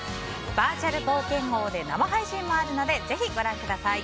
バーチャル冒険王で生配信もあるのでぜひご覧ください。